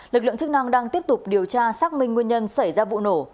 lực lượng chức năng đang tiếp tục điều tra xác minh nguyên nhân xảy ra vụ nổ